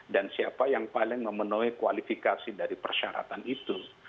dan siapa yang paling memenuhi kualifikasi dari persyaratan itu